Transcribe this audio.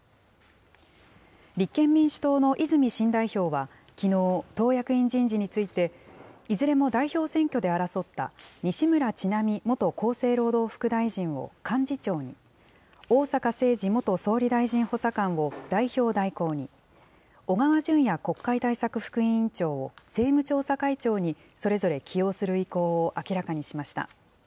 立憲民主党の泉新代表はきのう、党役員人事について、いずれも代表選挙で争った、西村智奈美元厚生労働副大臣を幹事長に、逢坂誠二元総理大臣補佐官を代表代行に、小川淳也国会対策副委員長を政務調査会長に、それぞれ起用する意向を明らかにしました。